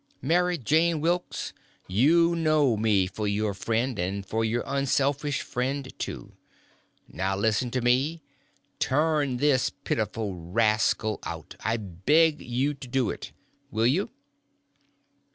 Mary Jane Wilks, you know me for your friend, and for your unselfish friend, too. Now listen to me; turn this pitiful rascal out—I beg you to do it. Will you?"